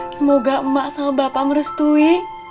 semoga emak sama bapak merestui